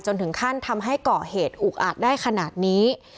ถึงขั้นทำให้เกาะเหตุอุกอาจได้ขนาดนี้